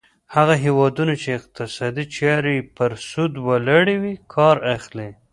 هغه هیوادونه چې اقتصادي چارې یې پر سود ولاړې وي کار اخلي.